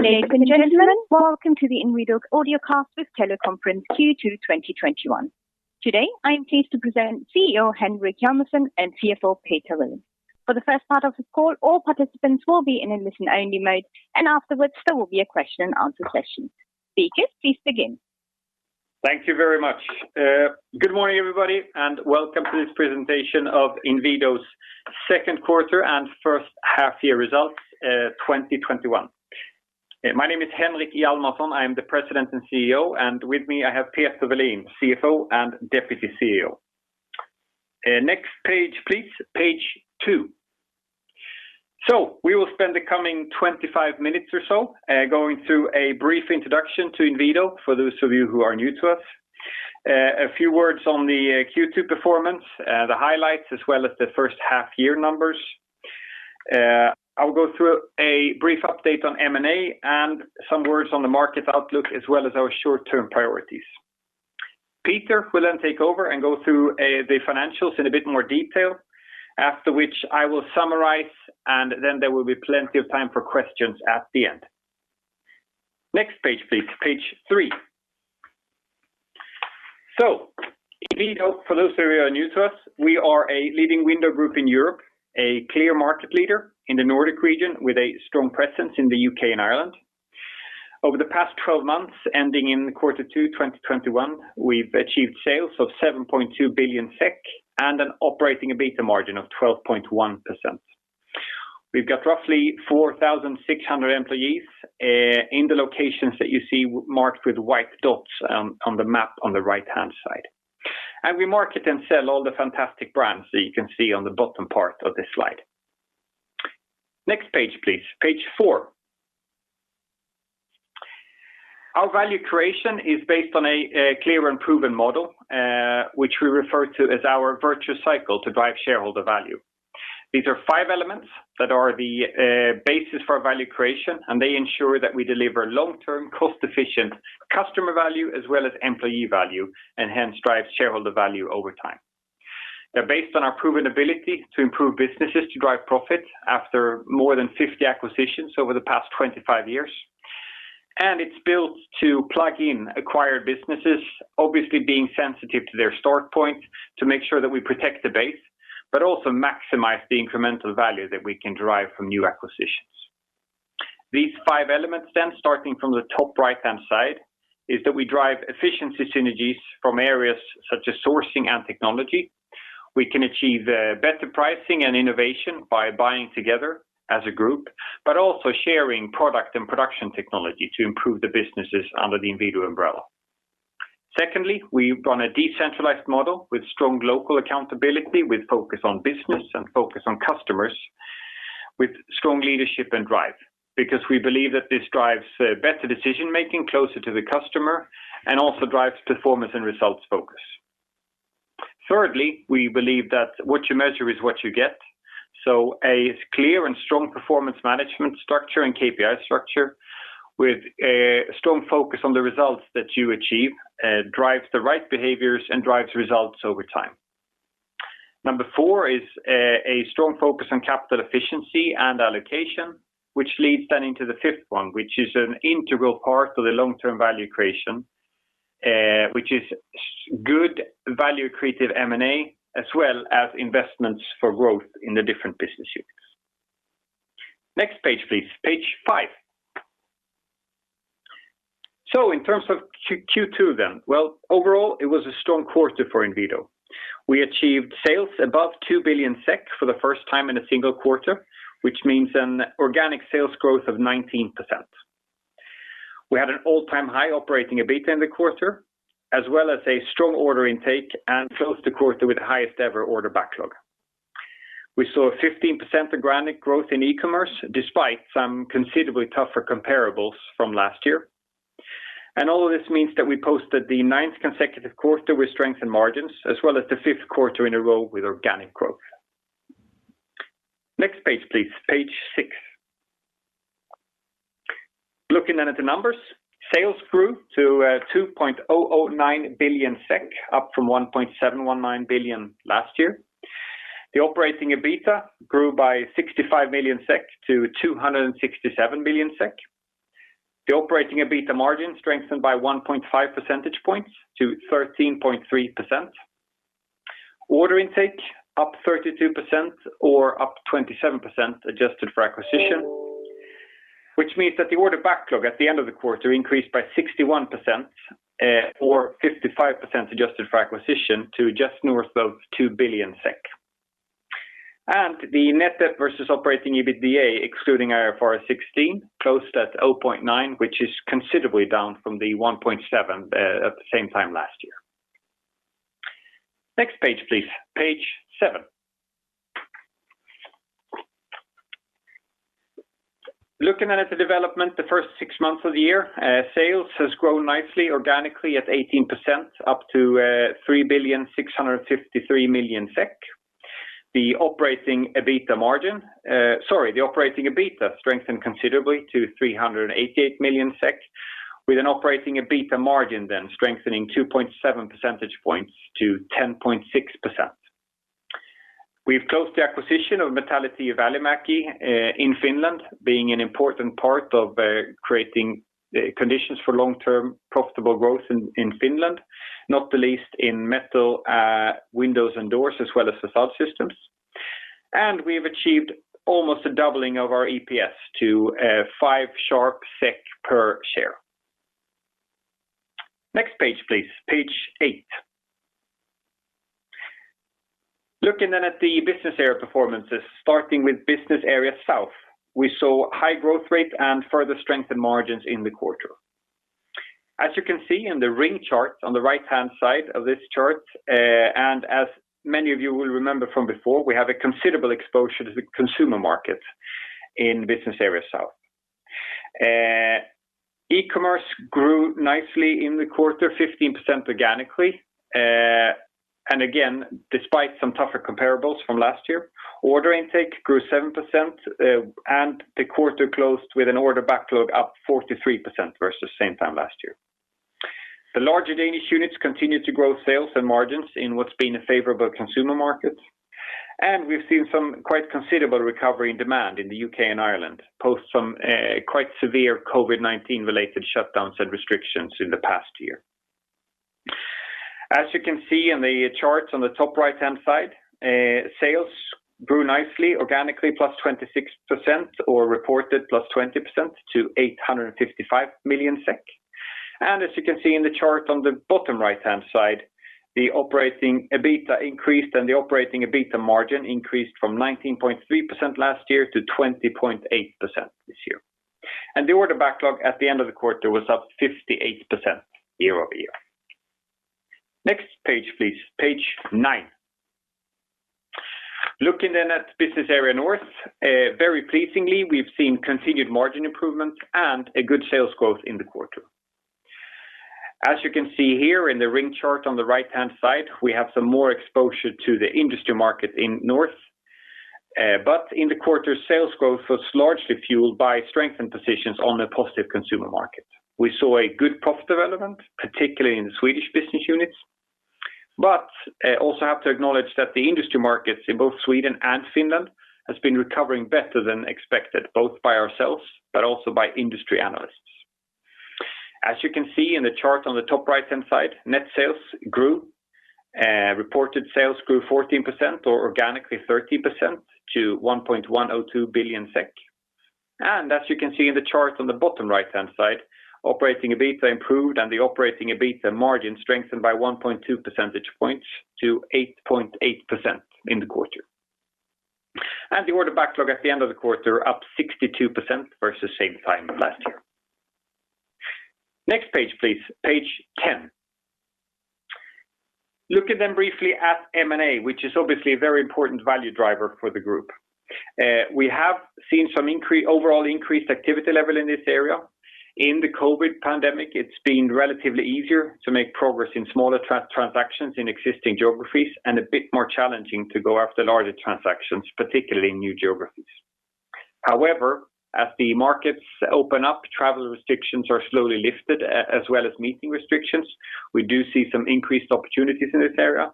Ladies and gentlemen, welcome to the Inwido audio cast teleconference Q2 2021. Today, I am pleased to present CEO Henrik Hjalmarsson and CFO Peter Welin. For the first part of this call, all participants will be in a listen-only mode, and afterwards there will be a question and answer session. Speakers, please begin. Thank you very much. Good morning, everybody, and welcome to this presentation of Inwido's Q2 and H1 results 2021. My name is Henrik Hjalmarsson. I am the President and CEO, and with me I have Peter Welin, CFO and Deputy CEO. Next page, please. Page two. We will spend the coming 25 minutes or so going through a brief introduction to Inwido, for those of you who are new to us. A few words on the Q2 performance, the highlights, as well as the H1 numbers. I will go through a brief update on M&A and some words on the market outlook, as well as our short-term priorities. Peter will then take over and go through the financials in a bit more detail, after which I will summarize, and then there will be plenty of time for questions at the end. Next page, please. Page three. Inwido, for those who are new to us, we are a leading window group in Europe, a clear market leader in the Nordic region with a strong presence in the U.K. and Ireland. Over the past 12 months, ending in quarter two 2021, we've achieved sales of 7.2 billion SEK and an operating EBITDA margin of 12.1%. We've got roughly 4,600 employees in the locations that you see marked with white dots on the map on the right-hand side. We market and sell all the fantastic brands that you can see on the bottom part of this slide. Next page, please. Page four. Our value creation is based on a clear and proven model, which we refer to as our virtuous cycle to drive shareholder value. These are five elements that are the basis for value creation, and they ensure that we deliver long term, cost efficient customer value as well as employee value, and hence drive shareholder value over time. They're based on our proven ability to improve businesses to drive profit after more than 50 acquisitions over the past 25 years, and it's built to plug in acquired businesses, obviously being sensitive to their start point to make sure that we protect the base, but also maximize the incremental value that we can derive from new acquisitions. These five elements then, starting from the top right-hand side, is that we drive efficiency synergies from areas such as sourcing and technology. We can achieve better pricing and innovation by buying together as a group, but also sharing product and production technology to improve the businesses under the Inwido umbrella. Secondly, we run a decentralized model with strong local accountability, with focus on business and focus on customers with strong leadership and drive, because we believe that this drives better decision making closer to the customer and also drives performance and results focus. Thirdly, we believe that what you measure is what you get. A clear and strong performance management structure and KPI structure with a strong focus on the results that you achieve drives the right behaviors and drives results over time. Number four is a strong focus on capital efficiency and allocation, which leads then into the fifth one, which is an integral part of the long-term value creation, which is good value creative M&A as well as investments for growth in the different business units. Next page please. Page five. In terms of Q2 then, well, overall, it was a strong quarter for Inwido. We achieved sales above 2 billion SEK for the first time in a single quarter, which means an organic sales growth of 19%. We had an all-time high operating EBITDA in the quarter, as well as a strong order intake and closed the quarter with the highest ever order backlog. We saw a 15% organic growth in e-commerce, despite some considerably tougher comparables from last year. All of this means that we posted the ninth consecutive quarter with strength in margins as well as the Q5 in a row with organic growth. Next page please. Page six. Looking then at the numbers, sales grew to 2.009 billion SEK, up from 1.719 billion last year. The operating EBITDA grew by 65-267 million SEK. The operating EBITDA margin strengthened by 1.5 percentage points to 13.3%. Order intake up 32% or up 27% adjusted for acquisition, which means that the order backlog at the end of the quarter increased by 61%, or 55% adjusted for acquisition to just north of 2 billion SEK. The net debt versus operating EBITDA, excluding IFRS 16, closed at 0.9, which is considerably down from the 1.7 at the same time last year. Next page please. Page seven. Looking at the development the first six months of the year. Sales has grown nicely organically at 18% up to 3,653,000,000 SEK. The operating EBITDA margin. Sorry. The operating EBITDA strengthened considerably to 388 million SEK with an operating EBITDA margin then strengthening 2.7 percentage points to 10.6%. We've closed the acquisition of Metallityö Välimäki Oy in Finland, being an important part of creating conditions for long-term profitable growth in Finland, not the least in metal windows and doors, as well as facade systems. We've achieved almost a doubling of our EPS to 5.0 per share. Next page, please. Page eight. Looking then at the business area performances, starting with business area South. We saw high growth rate and further strengthened margins in the quarter. As you can see in the ring chart on the right-hand side of this chart, and as many of you will remember from before, we have a considerable exposure to the consumer market in business area South. e-commerce grew nicely in the quarter, 15% organically, again, despite some tougher comparables from last year. Order intake grew 7%, the quarter closed with an order backlog up 43% versus same time last year. The larger Danish units continued to grow sales and margins in what's been a favorable consumer market, we've seen some quite considerable recovery in demand in the U.K. and Ireland, post some quite severe COVID-19 related shutdowns and restrictions in the past year. As you can see in the charts on the top right-hand side, sales grew nicely organically plus 26% or reported plus 20% to 855 million SEK. As you can see in the chart on the bottom right-hand side, the operating EBITA increased and the operating EBITA margin increased from 19.3% last year to 20.8% this year. The order backlog at the end of the quarter was up 58% year-over-year. Next page, please. Page nine. Looking at business area North, very pleasingly, we've seen continued margin improvements and a good sales growth in the quarter. As you can see here in the ring chart on the right-hand side, we have some more exposure to the industry market in North. In the quarter, sales growth was largely fueled by strengthened positions on a positive consumer market. We saw a good profit development, particularly in the Swedish business units, but also have to acknowledge that the industry markets in both Sweden and Finland has been recovering better than expected, both by ourselves but also by industry analysts. As you can see in the chart on the top right-hand side, net sales grew. Reported sales grew 14% or organically 13% to 1.102 billion SEK. As you can see in the chart on the bottom right-hand side, operating EBITA improved and the operating EBITA margin strengthened by 1.2 percentage points to 8.8% in the quarter. The order backlog at the end of the quarter up 62% versus same time last year. Next page, please. Page 10. Looking then briefly at M&A, which is obviously a very important value driver for the group. In the COVID-19 pandemic, it's been relatively easier to make progress in smaller transactions in existing geographies and a bit more challenging to go after larger transactions, particularly in new geographies. As the markets open up, travel restrictions are slowly lifted, as well as meeting restrictions. We do see some increased opportunities in this area.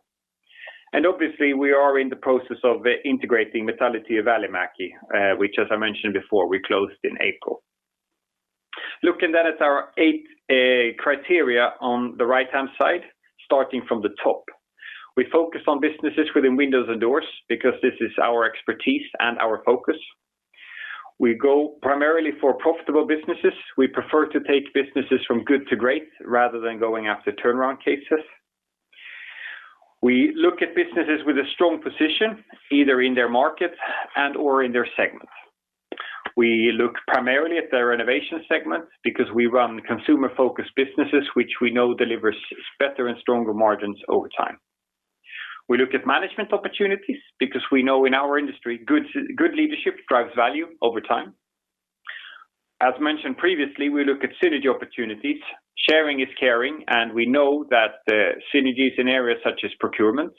Obviously, we are in the process of integrating Metallityö Välimäki Oy, which as I mentioned before, we closed in April. Looking then at our eight criteria on the right-hand side, starting from the top. We focus on businesses within windows and doors because this is our expertise and our focus. We go primarily for profitable businesses. We prefer to take businesses from good to great rather than going after turnaround cases. We look at businesses with a strong position, either in their markets and/or in their segments. We look primarily at the renovation segments because we run consumer-focused businesses, which we know delivers better and stronger margins over time. We look at management opportunities because we know in our industry, good leadership drives value over time. As mentioned previously, we look at synergy opportunities. Sharing is caring. We know that synergies in areas such as procurement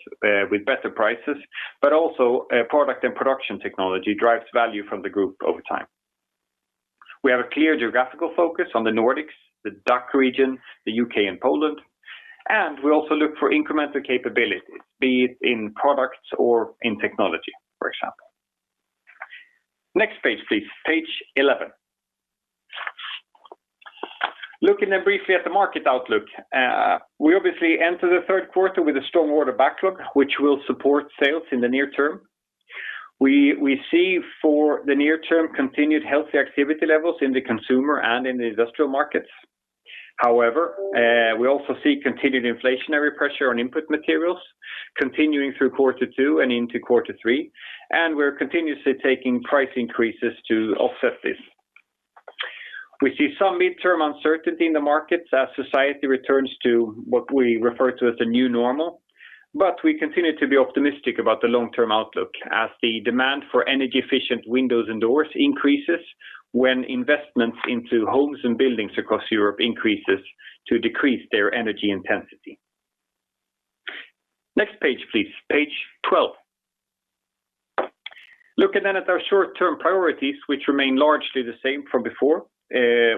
with better prices, also product and production technology drives value from the group over time. We have a clear geographical focus on the Nordics, the DACH region, the U.K. and Poland. We also look for incremental capabilities, be it in products or in technology, for example. Next page, please. Page 11. Looking briefly at the market outlook. We obviously enter the Q3 with a strong order backlog, which will support sales in the near term. We see for the near term, continued healthy activity levels in the consumer and in the industrial markets. However, we also see continued inflationary pressure on input materials continuing through quarter two and into quarter three. We're continuously taking price increases to offset this. We see some midterm uncertainty in the markets as society returns to what we refer to as the new normal. We continue to be optimistic about the long-term outlook as the demand for energy efficient windows and doors increases when investments into homes and buildings across Europe increases to decrease their energy intensity. Next page, please. Page 12. Looking at our short-term priorities, which remain largely the same from before.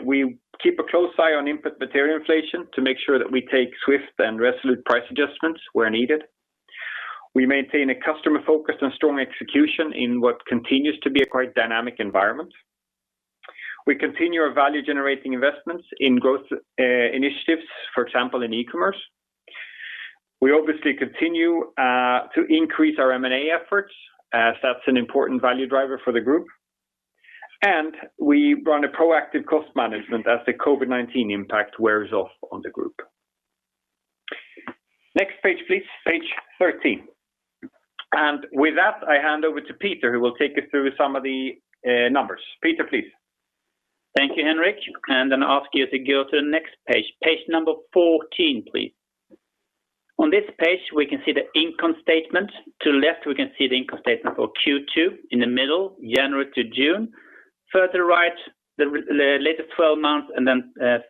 We keep a close eye on input material inflation to make sure that we take swift and resolute price adjustments where needed. We maintain a customer focus and strong execution in what continues to be a quite dynamic environment. We continue our value-generating investments in growth initiatives, for example, in e-commerce. We obviously continue to increase our M&A efforts as that's an important value driver for the group, and we run a proactive cost management as the COVID-19 impact wears off on the group. Next page, please, page 13. With that, I hand over to Peter, who will take you through some of the numbers. Peter, please. Thank you, Henrik. Ask you to go to the next page. Page number 14, please. On this page, we can see the income statement. To the left, we can see the income statement for Q2. In the middle, January to June. Further right, the latest 12 months, to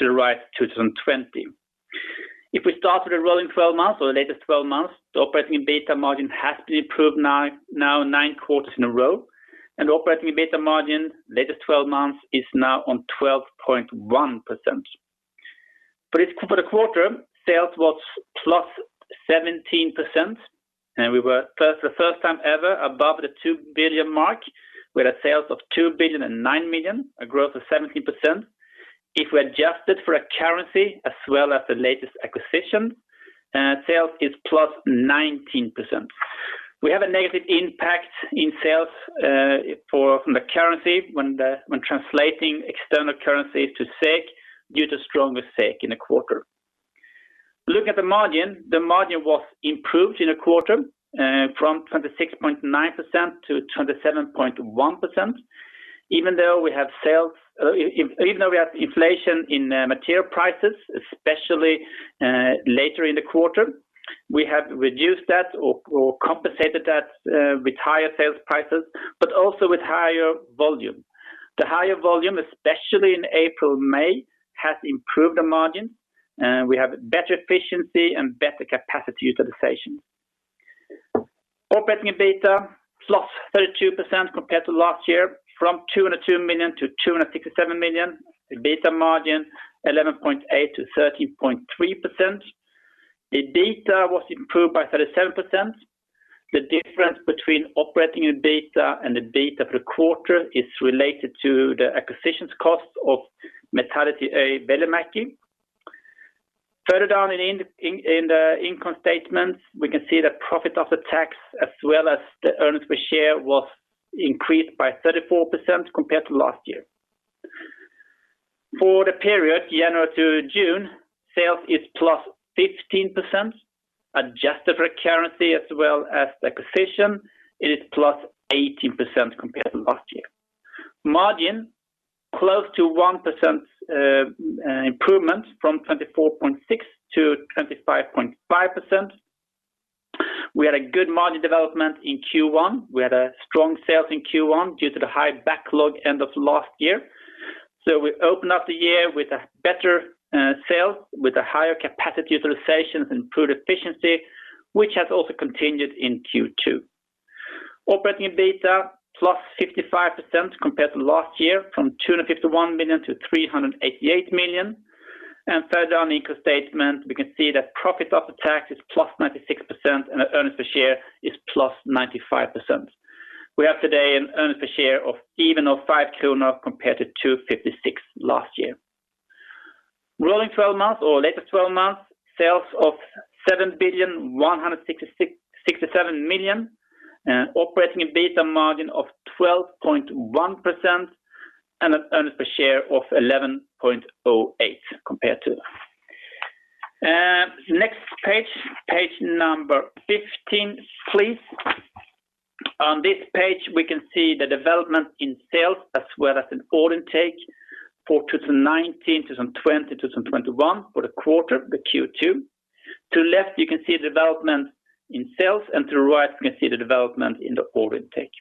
the right, 2020. If we start with the rolling 12 months or the latest 12 months, the operating EBITDA margin has been improved now nine quarters in a row. Operating EBITDA margin, latest 12 months is now on 12.1%. For the quarter, sales was +17% and we were for the first time ever above the 2 billion mark with a sales of 2.009 billion, a growth of 17%. If we adjusted for a currency as well as the latest acquisition, sales is +19%. We have a negative impact in sales from the currency when translating external currencies to SEK due to stronger SEK in the quarter. Look at the margin. The margin was improved in the quarter from 26.9%-27.1%. Even though we have inflation in material prices, especially later in the quarter, we have reduced that or compensated that with higher sales prices, but also with higher volume. The higher volume, especially in April, May, has improved the margin. We have better efficiency and better capacity utilization. Operating EBITDA plus 32% compared to last year from 202-267 million, the EBITDA margin 11.8%-13.3%. The EBITDA was improved by 37%. The difference between operating EBITDA and the EBITDA per quarter is related to the acquisitions cost of Metallityö Välimäki. Further down in the income statement, we can see the profit after tax as well as the earnings per share was increased by 34% compared to last year. For the period January to June, sales are +15%, adjusted for currency as well as acquisition, it is +18% compared to last year. Margin, close to 1% improvement from 24.6%-25.5%. We had a good margin development in Q1. We had a strong sale in Q1 due to the high backlog end of last year. We opened up the year with a better sale with a higher capacity utilization and improved efficiency, which has also continued in Q2. Operating EBITDA +55% compared to last year from 251 million to 388 million. Further down the income statement, we can see that profit after tax is +96% and the earnings per share is +95%. We have today an earnings per share of 7.5 kronor compared to 2.56 last year. Rolling 12 months or latest 12 months, sales of 7 billion 167 million and operating EBITDA margin of 12.1% and an earnings per share of 11.08 compared to last. Next page number 15, please. On this page, we can see the development in sales as well as in order intake for 2019, 2020, 2021 for the quarter, the Q2. To the left, you can see the development in sales, and to the right, you can see the development in the order intake.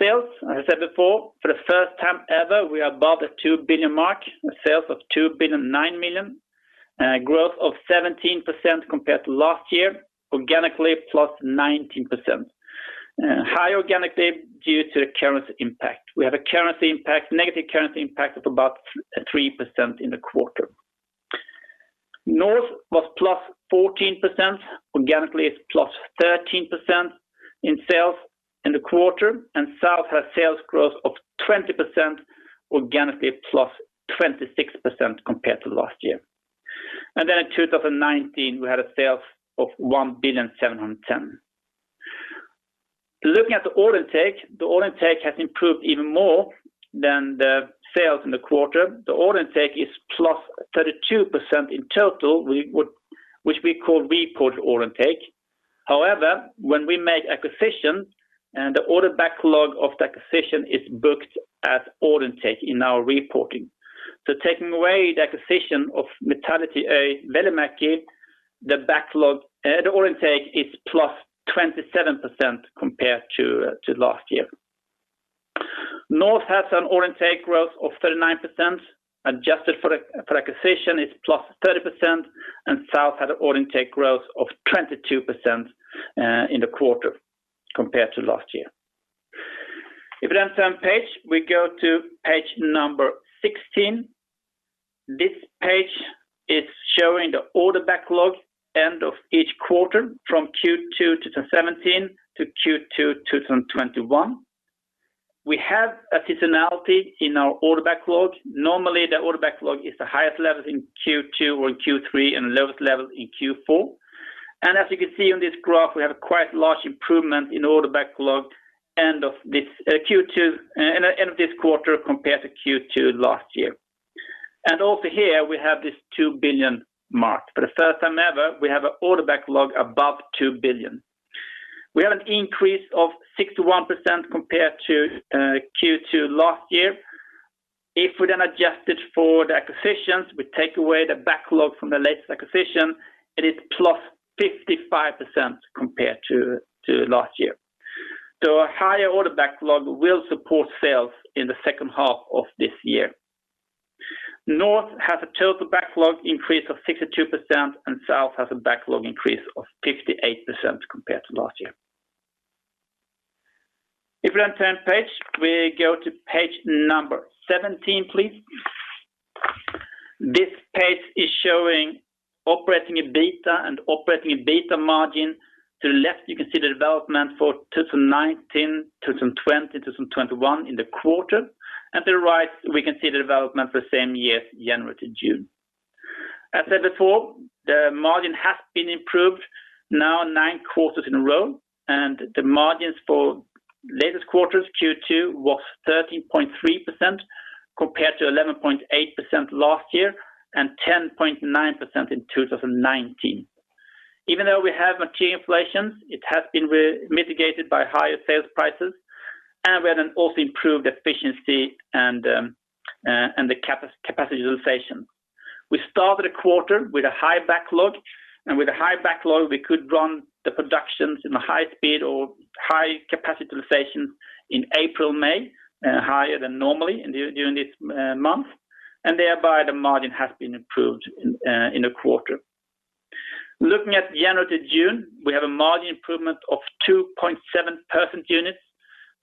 Sales, as I said before, for the first time ever, we are above the 2 billion mark, a sales of 2 billion 9 million, growth of 17% compared to last year, organically plus 19%. Higher organically due to the currency impact. We have a negative currency impact of about 3% in the quarter. North was +14%, organically it is +13% in sales in the quarter. South had sales growth of 20%, organically +26% compared to last year. In 2019, we had a sales of 1 billion, 710. Looking at the order intake, the order intake has improved even more than the sales in the quarter. The order intake is +32% in total, which we call reported order intake. However, when we make acquisitions, the order backlog of the acquisition is booked as order intake in our reporting. Taking away the acquisition of Metallityö Välimäki, the order intake is +27% compared to last year. North has an order intake growth of 39%, adjusted for acquisition it is +30%. South had an order intake growth of 22% in the quarter compared to last year. We turn page, we go to page number 16. This page is showing the order backlog end of each quarter from Q2 2017 to Q2 2021. We have a seasonality in our order backlog. Normally, the order backlog is the highest levels in Q2 or in Q3, and the lowest level in Q4. As you can see on this graph, we have quite large improvement in order backlog end of this quarter compared to Q2 last year. Also here, we have this 2 billion mark. For the first time ever, we have a order backlog above 2 billion. We have an increase of 61% compared to Q2 last year. We adjust it for the acquisitions, we take away the backlog from the latest acquisition, it is +55% compared to last year. A higher order backlog will support sales in the H2 of this year. North has a total backlog increase of 62%, and South has a backlog increase of 58% compared to last year. If we then turn page, we go to page number 17, please. This page is showing operating EBITDA and operating EBITDA margin. To the left, you can see the development for 2019, 2020, 2021 in the quarter, and to the right, we can see the development for the same years, January to June. As said before, the margin has been improved now nine quarters in a row, and the margins for latest quarters, Q2, was 13.3% compared to 11.8% last year and 10.9% in 2019. Even though we have material inflations, it has been mitigated by higher sales prices, and we had an also improved efficiency and the capacity utilization. We started the quarter with a high backlog, and with a high backlog, we could run the productions in a high speed or high capacity utilization in April, May, higher than normally during this month. Thereby, the margin has been improved in the quarter. Looking at January to June, we have a margin improvement of 2.7 percent units,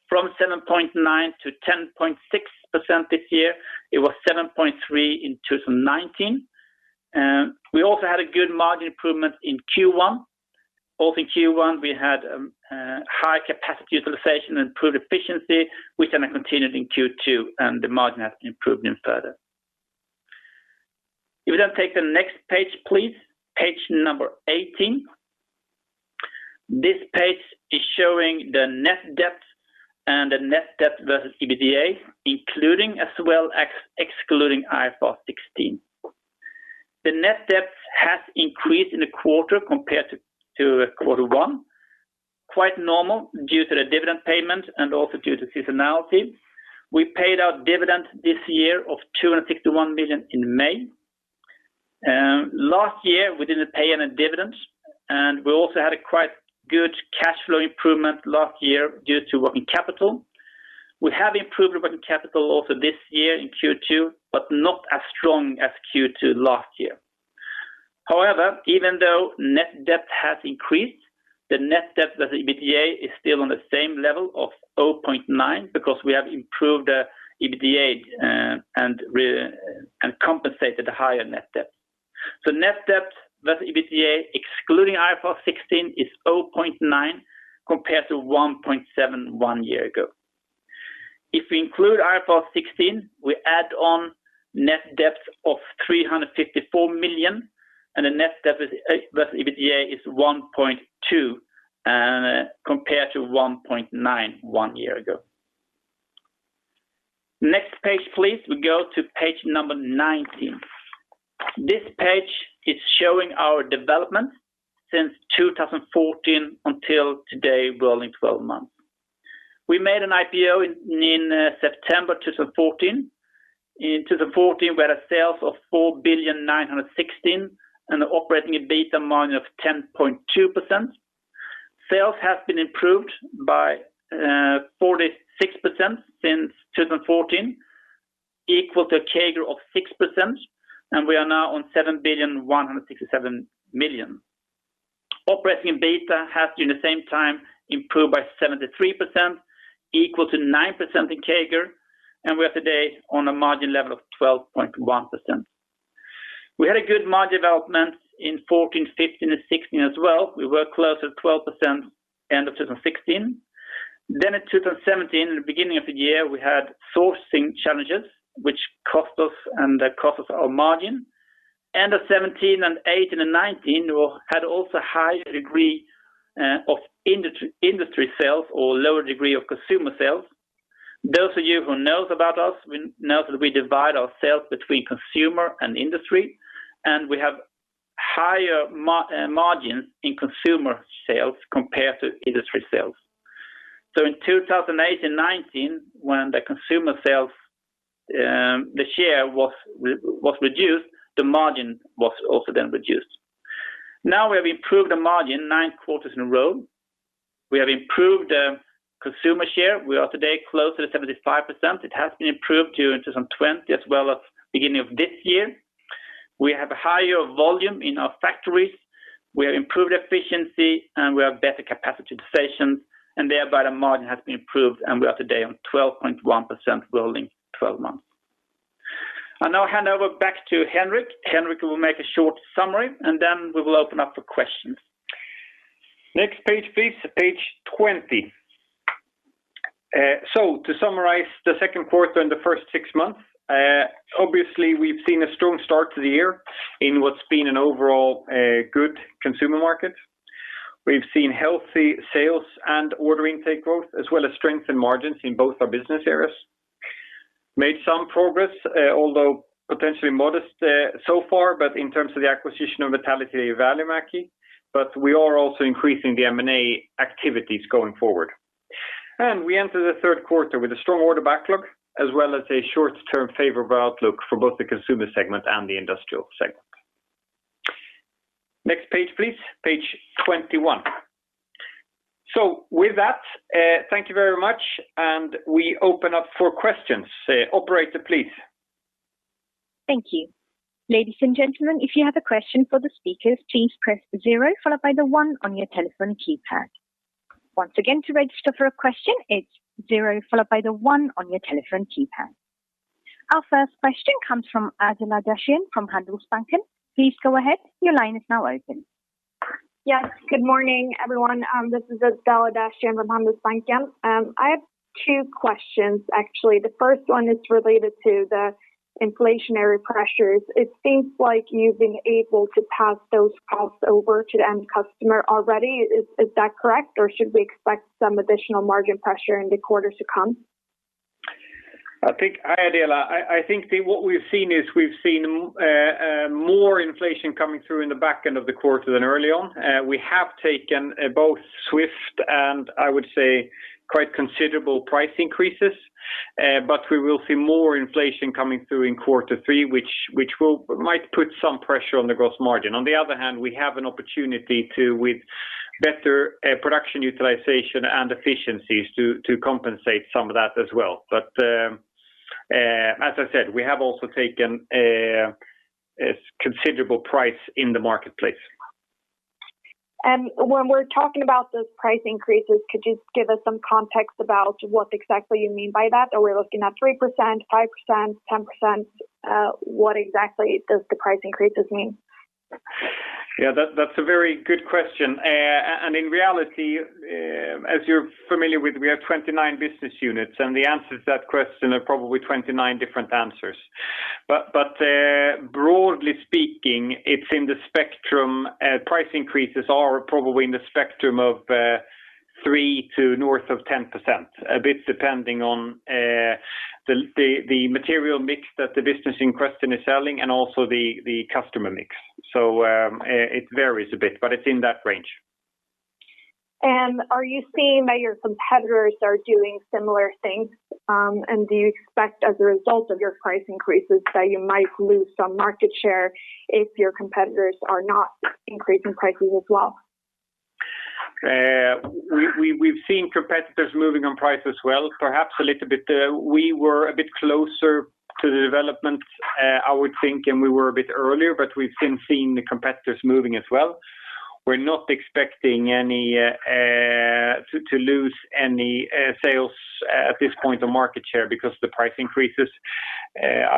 from 7.9%-10.6% this year. It was 7.3% in 2019. We also had a good margin improvement in Q1. Also in Q1, we had high capacity utilization, improved efficiency, which then continued in Q2, and the margin has improved even further. If we then take the next page, please, page 18. This page is showing the net debt and the net debt versus EBITDA, including as well as excluding IFRS 16. The net debt has increased in the quarter compared to Q1, quite normal due to the dividend payment and also due to seasonality. We paid out dividend this year of 261 million in May. Last year, we didn't pay any dividends, and we also had a quite good cash flow improvement last year due to working capital. We have improved working capital also this year in Q2, but not as strong as Q2 last year. However, even though net debt has increased, the net debt as EBITDA is still on the same level of 0.9 because we have improved the EBITDA and compensated the higher net debt. Net debt versus EBITDA excluding IFRS 16 is 0.9 compared to 1.7 one year ago. If we include IFRS 16, we add on net debt of 354 million, and the net debt versus EBITDA is 1.2 compared to 1.9 one year ago. Next page, please. We go to page number 19. This page is showing our development since 2014 until today, rolling 12 months. We made an IPO in September 2014. In 2014, we had a sales of 4,916 million and operating EBITDA margin of 10.2%. Sales have been improved by 46% since 2014, equal to a CAGR of 6%, and we are now on 7,167 million. Operating EBITDA has, during the same time, improved by 73%, equal to 9% in CAGR, and we are today on a margin level of 12.1%. We had a good margin development in 2014, 2015, and 2016 as well. We were close at 12% end of 2016. In 2017, in the beginning of the year, we had sourcing challenges, which cost us and cost us our margin. End of 2017 and 2018 and 2019, we had also high degree of industry sales or lower degree of consumer sales. Those of you who knows about us knows that we divide our sales between consumer and industry, and we have higher margins in consumer sales compared to industry sales. In 2018, 2019, when the consumer sales, the share was reduced, the margin was also then reduced. Now we have improved the margin nine quarters in a row. We have improved consumer share. We are today close to 75%. It has been improved during 2020 as well as beginning of this year. We have a higher volume in our factories. We have improved efficiency, and we have better capacity utilization, and thereby the margin has been improved, and we are today on 12.1% rolling 12 months. I now hand over back to Henrik. Henrik will make a short summary, and then we will open up for questions. Next page, please. Page 20. To summarize the Q2 and the first six months, obviously we've seen a strong start to the year in what's been an overall good consumer market. We've seen healthy sales and order intake growth, as well as strength in margins in both our business areas. Made some progress, although potentially modest so far, but in terms of the acquisition of Metallityö Välimäki Oy, but we are also increasing the M&A activities going forward. We enter the Q3 with a strong order backlog as well as a short-term favorable outlook for both the consumer segment and the industrial segment. Next page, please. Page 21. With that, thank you very much, and we open up for questions. Operator, please. Thank you. Ladies and gentlemen, if you have a question for the speakers, please press the zero followed by the one on your telephone keypad. Once again, to register for a question, it's zero followed by the one on your telephone keypad. Our first question comes from Adela Dashian from Handelsbanken. Please go ahead. Yes. Good morning, everyone. This is Adela Dashian from Handelsbanken. I have two questions, actually. The first one is related to the inflationary pressures. It seems like you've been able to pass those costs over to the end customer already. Is that correct, or should we expect some additional margin pressure in the quarters to come? Hi, Adela. I think what we've seen is we've seen more inflation coming through in the back end of the quarter than early on. We have taken both swift and, I would say, quite considerable price increases. We will see more inflation coming through in Q3, which might put some pressure on the gross margin. On the other hand, we have an opportunity to, with better production utilization and efficiencies to compensate some of that as well. As I said, we have also taken a considerable price in the marketplace. When we're talking about those price increases, could you give us some context about what exactly you mean by that? Are we looking at 3%, 5%, 10%? What exactly does the price increases mean? Yeah, that's a very good question. In reality, as you're familiar with, we have 29 business units, and the answers to that question are probably 29 different answers. Broadly speaking, price increases are probably in the spectrum of 3% to north of 10%, a bit depending on the material mix that the business in question is selling and also the customer mix. It varies a bit, but it's in that range. Are you seeing that your competitors are doing similar things? Do you expect as a result of your price increases that you might lose some market share if your competitors are not increasing prices as well? We've seen competitors moving on price as well, perhaps a little bit. We were a bit closer to the development, I would think, and we were a bit earlier, but we've since seen the competitors moving as well. We're not expecting to lose any sales at this point or market share because of the price increases.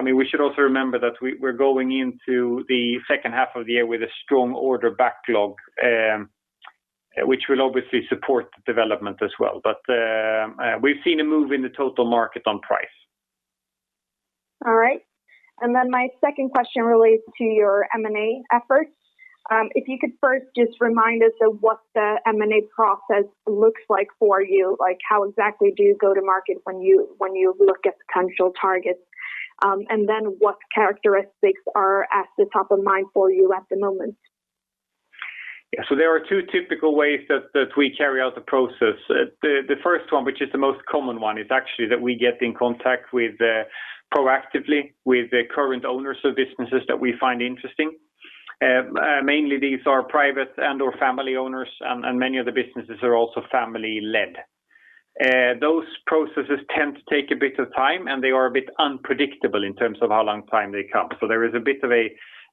We should also remember that we're going into the H2 of the year with a strong order backlog, which will obviously support the development as well. We've seen a move in the total market on price. All right. My second question relates to your M&A efforts. If you could first just remind us of what the M&A process looks like for you, like how exactly do you go to market when you look at potential targets? What characteristics are at the top of mind for you at the moment? Yeah. There are two typical ways that we carry out the process. The first one, which is the most common one, is actually that we get in contact proactively with the current owners of businesses that we find interesting. Mainly these are private and/or family owners, and many of the businesses are also family-led. Those processes tend to take a bit of time, and they are a bit unpredictable in terms of how long time they come. There is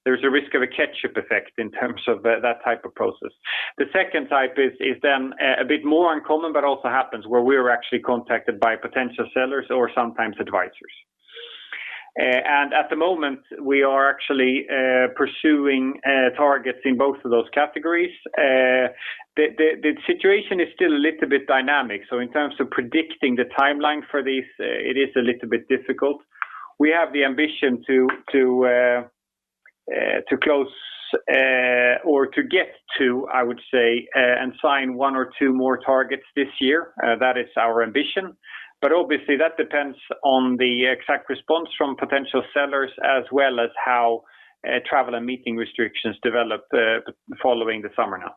a risk of a ketchup effect in terms of that type of process. The second type is then a bit more uncommon, but also happens where we're actually contacted by potential sellers or sometimes advisors. At the moment, we are actually pursuing targets in both of those categories. The situation is still a little bit dynamic, so in terms of predicting the timeline for this, it is a little bit difficult. We have the ambition to close or to get to, I would say, and sign one or two more targets this year. That is our ambition. Obviously that depends on the exact response from potential sellers as well as how travel and meeting restrictions develop following the summer now.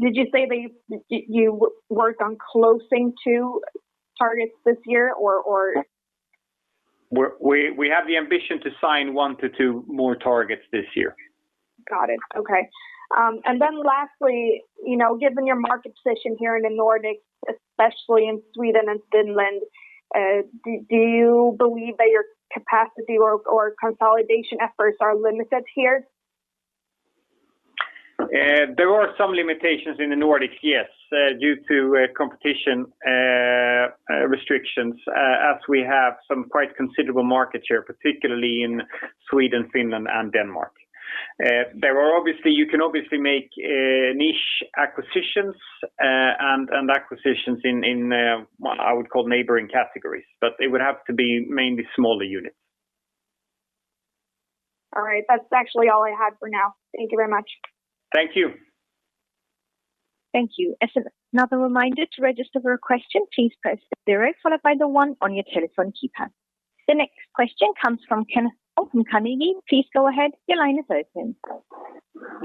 Did you say that you worked on closing two targets this year? We have the ambition to sign one to two more targets this year. Got it. Okay. Lastly, given your market position here in the Nordics, especially in Sweden and Finland, do you believe that your capacity or consolidation efforts are limited here? There are some limitations in the Nordics, yes, due to competition restrictions, as we have some quite considerable market share, particularly in Sweden, Finland, and Denmark. You can obviously make niche acquisitions and acquisitions in what I would call neighboring categories, but they would have to be mainly smaller units. All right. That's actually all I had for now. Thank you very much. Thank you. Thank you. Another reminder to register for a question, please press the zero followed by the one on your telephone keypad. The next question comes from Kenneth Olsson from Carnegie. Please go ahead. Your line is open.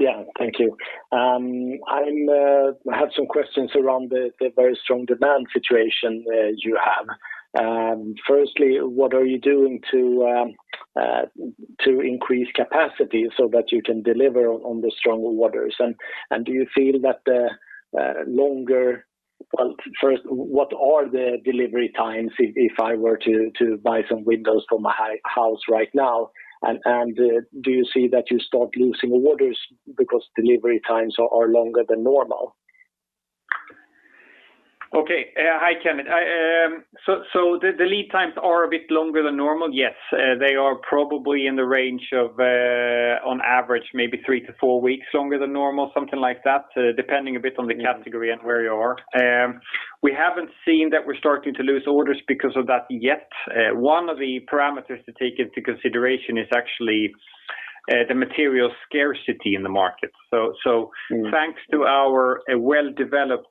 Yeah, thank you. I have some questions around the very strong demand situation that you have. Firstly, what are you doing to increase capacity so that you can deliver on the strong orders? Do you feel that the longer Well, first, what are the delivery times if I were to buy some windows for my house right now? Do you see that you start losing orders because delivery times are longer than normal? Okay. Hi, Kenneth. The lead times are a bit longer than normal. Yes. They are probably in the range of, on average, maybe three to four weeks longer than normal, something like that, depending a bit on the category and where you are. We haven't seen that we're starting to lose orders because of that yet. One of the parameters to take into consideration is actually the material scarcity in the market. Thanks to our well-developed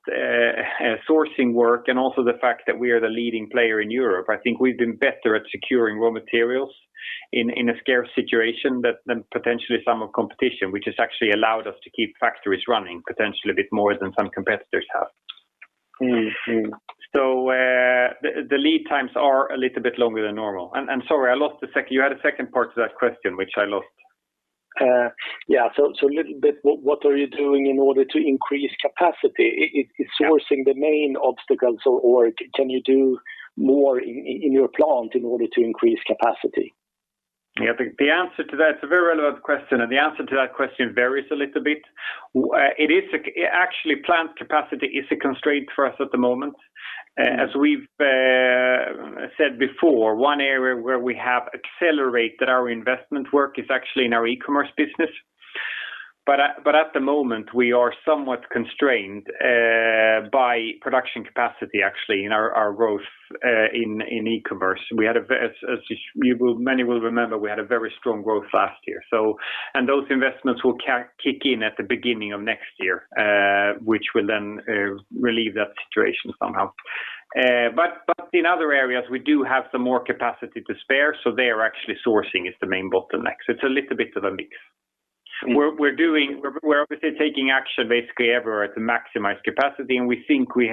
sourcing work and also the fact that we are the leading player in Europe, I think we've been better at securing raw materials in a scarce situation than potentially some of competition, which has actually allowed us to keep factories running potentially a bit more than some competitors have. The lead times are a little bit longer than normal. I'm sorry, you had a second part to that question, which I lost. Yeah. A little bit, what are you doing in order to increase capacity? Is sourcing the main obstacle, or can you do more in your plant in order to increase capacity? Yeah, it's a very relevant question, and the answer to that question varies a little bit. Actually, plant capacity is a constraint for us at the moment. As we've said before, one area where we have accelerated our investment work is actually in our e-commerce business. At the moment, we are somewhat constrained by production capacity, actually, in our growth in e-commerce. As many will remember, we had a very strong growth last year. Those investments will kick in at the beginning of next year, which will then relieve that situation somehow. In other areas, we do have some more capacity to spare, so there, actually sourcing is the main bottleneck. It's a little bit of a mix. We're obviously taking action basically everywhere to maximize capacity, and we think we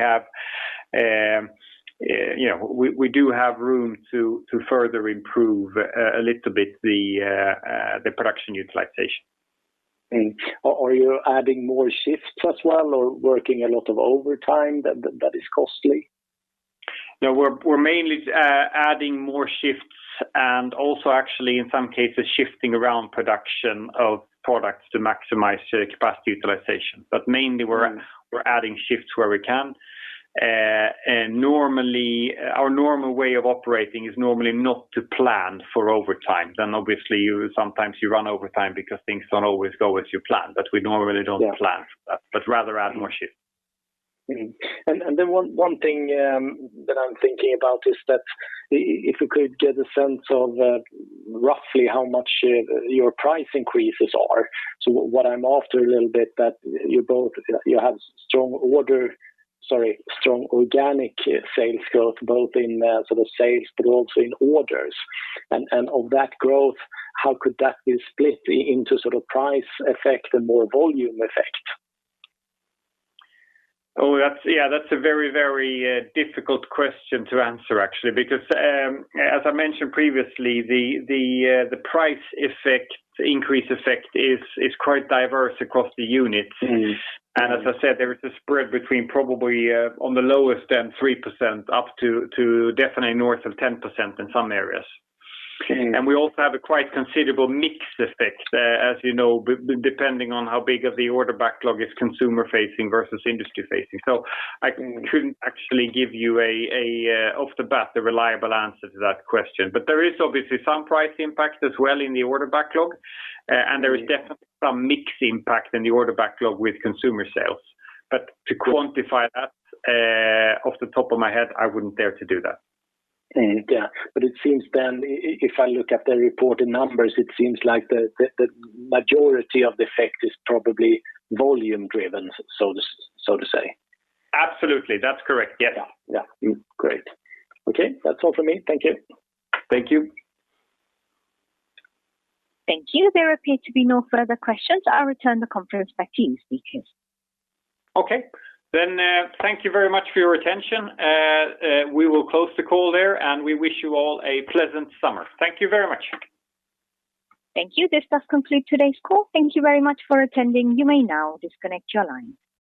do have room to further improve a little bit the production utilization. Are you adding more shifts as well, or working a lot of overtime? That is costly. No, we're mainly adding more shifts and also actually in some cases, shifting around production of products to maximize capacity utilization. Mainly we're adding shifts where we can. Our normal way of operating is normally not to plan for overtime. Obviously sometimes you run overtime because things don't always go as you plan, but we normally don't plan for that, but rather add more shifts. One thing that I'm thinking about is that if we could get a sense of roughly how much your price increases are. What I'm after a little bit that you have strong organic sales growth, both in sort of sales, but also in orders. Of that growth, how could that be split into sort of price effect and more volume effect? Oh, yeah, that's a very difficult question to answer actually, because, as I mentioned previously, the price increase effect is quite diverse across the units. As I said, there is a spread between probably on the lowest end, 3% up to definitely north of 10% in some areas. Okay. We also have a quite considerable mix effect, as you know, depending on how big of the order backlog is consumer facing versus industry facing. I couldn't actually give you off the bat a reliable answer to that question. There is obviously some price impact as well in the order backlog, and there is definitely some mix impact in the order backlog with consumer sales. To quantify that off the top of my head, I wouldn't dare to do that. Yeah. It seems if I look at the reported numbers, it seems like the majority of the effect is probably volume driven, so to say. Absolutely. That's correct. Yes. Yeah. Great. Okay. That's all from me. Thank you. Thank you. Thank you. There appear to be no further questions. I'll return the conference back to you, speakers. Okay. Thank you very much for your attention. We will close the call there, and we wish you all a pleasant summer. Thank you very much. Thank you. This does conclude today's call. Thank you very much for attending. You may now disconnect your lines.